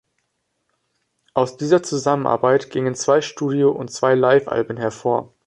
Aus dieser Zusammenarbeit gingen zwei Studio- und zwei Livealben hervor.